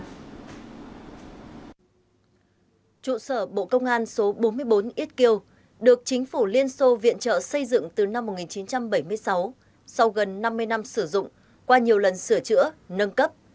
trụ sở bộ công an số bốn mươi bốn yết kiêu được chính phủ liên xô viện trợ xây dựng từ năm một nghìn chín trăm bảy mươi sáu sau gần năm mươi năm sử dụng qua nhiều lần sửa chữa nâng cấp